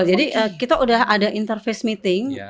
kita udah ada interface meeting